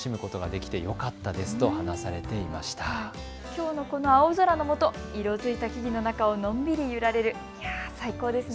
きょうのこの青空のもと、色づいた木々の中をのんびり揺られる、最高ですね。